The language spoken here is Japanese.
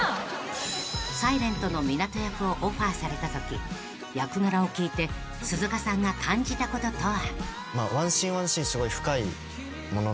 ［『ｓｉｌｅｎｔ』の湊斗役をオファーされたとき役柄を聞いて鈴鹿さんが感じたこととは？］